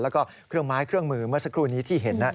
แล้วก็เครื่องไม้เครื่องมือเมื่อสักครู่นี้ที่เห็น